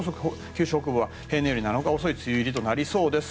九州北部は平年より７日早い梅雨入りとなりそうです。